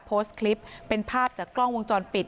โพสต์คลิปเป็นภาพจากกล้องวงจรปิด